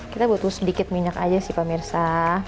kita butuh sedikit minyak aja sih pemirsa